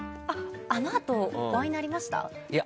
あのあとお会いになりました？